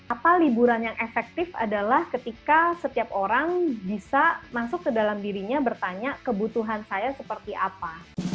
apa liburan yang efektif adalah ketika setiap orang bisa masuk ke dalam dirinya bertanya kebutuhan saya seperti apa